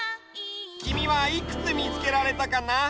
きみはいくつみつけられたかな？